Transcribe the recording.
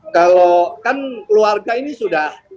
kalau kan keluarga ini sudah